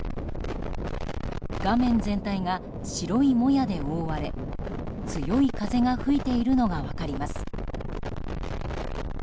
画面全体が白いもやで覆われ強い風が吹いているのが分かります。